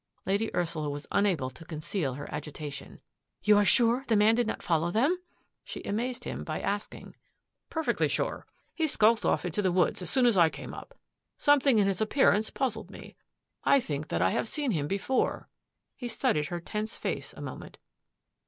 Lady Ursula was unable to conceal her agita tion. " You are sure the man did not follow themP " she amazed him by asking. " Perfectly sure. He skulked off into the woods as soon as I came up. Something in his appear ance puzzled me. I think that I have seen him be fore.'' He studied her tense face a moment.